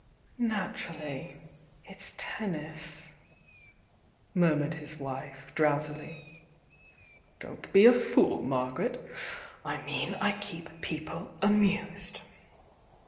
"Naturally!— it's tennis," murmured his wife, avwsily. ■'Don't be a fool, Margaret! I mean I keep peo ple amused."